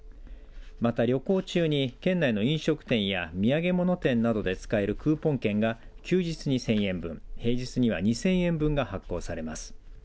また、旅行中に県内の飲食店や土産物店などで使えるクーポン券が休日に１０００円分平日には２０００円分が発行されます。